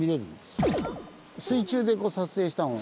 水中で撮影したのを。